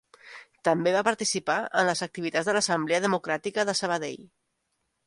També va participar en les activitats de l'Assemblea Democràtica de Sabadell.